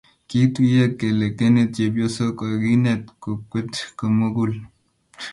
Kiutye kele kenet chepyoso kokakinet kokwet komugul